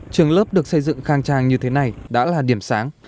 trường lớp được xây dựng khang trang như thế này đã là điểm sáng